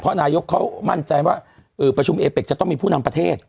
นายกเขามั่นใจว่าประชุมเอเป็กจะต้องมีผู้นำประเทศ